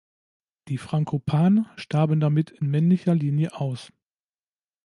Die Frankopan starben damit in männlicher Linie aus.